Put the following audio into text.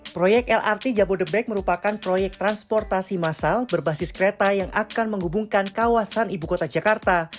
proyek lrt jabodebek merupakan proyek transportasi masal berbasis kereta yang akan menghubungkan kawasan ibu kota jakarta